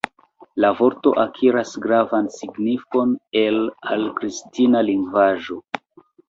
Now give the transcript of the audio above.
La vorto akiras gravan signifon el al kristana lingvaĵo.